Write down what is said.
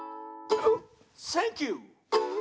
「センキュー！」